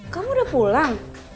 kamu udah pulang